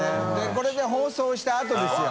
これで放送したあとですよ。